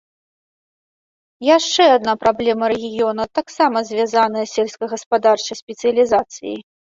Яшчэ адна праблема рэгіёна таксама звязаная з сельскагаспадарчай спецыялізацыяй.